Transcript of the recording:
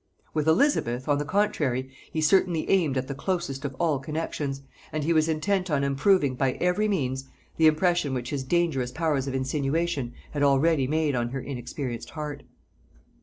With Elizabeth, on the contrary, he certainly aimed at the closest of all connexions, and he was intent on improving by every means the impression which his dangerous powers of insinuation had already made on her inexperienced heart.